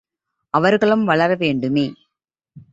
அவர்களும் வளர வேண்டுமே!